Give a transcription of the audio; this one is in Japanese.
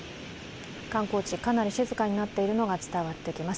観光地、かなり静かになっているのが伝わってきます。